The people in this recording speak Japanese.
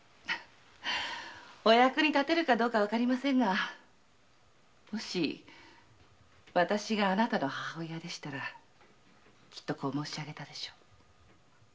お役に立てるかどうかわかりませんがもしわたしがあなたの母親ならきっとこう申し上げたでしょう。